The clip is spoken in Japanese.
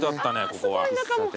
ここは。